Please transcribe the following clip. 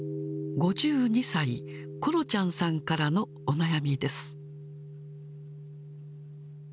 ５２歳、コロちゃんさんからのお悩みです。